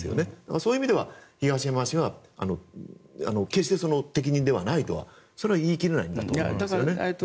そういう意味では東山氏が決して適任ではないとはそれは言い切れないんだと思いますよね。